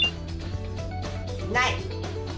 ない。